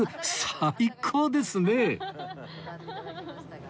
最高ですね！